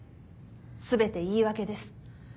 全て言い訳です。